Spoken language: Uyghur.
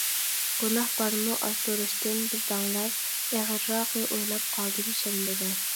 گۇناھ بارمۇ ئازدۇرۇشتىن، بىر دەڭلەر؟ ، ئېغىرراقى، ئويلاپ قالدىم شەنبىدە.